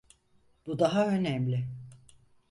Bu daha önemli.